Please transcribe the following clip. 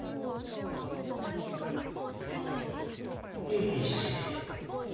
栄一。